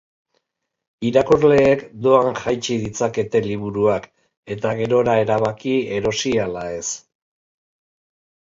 Irakurleek doan jaitsi ditzakete liburuak, eta gerora erabaki erosi ala ez.